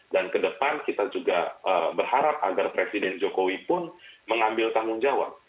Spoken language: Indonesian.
dan kedepan kita juga berharap agar presiden jokowi pun mengambil tanggung jawab